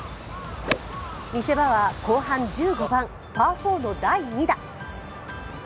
見せ場は後半１５番、パー４の第２打。